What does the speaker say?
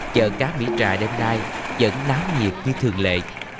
chợ cá mỹ trà đêm nay vẫn náo nhiệt như thường lệ